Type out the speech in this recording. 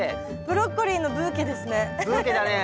ブロッコリーのブーケですね。